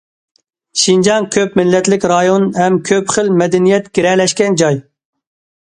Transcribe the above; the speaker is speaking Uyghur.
شىنجاڭ كۆپ مىللەتلىك رايون ھەم كۆپ خىل مەدەنىيەت گىرەلەشكەن جاي.